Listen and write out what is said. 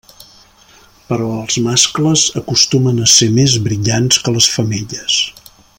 Però els mascles acostumen a ser més brillants que les femelles.